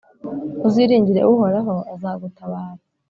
Uziringire Uhoraho, azagutabara,